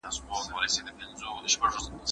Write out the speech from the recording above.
په دغه پاڼې کي د ټولو مېلمنو لیست لیکل سوی دی.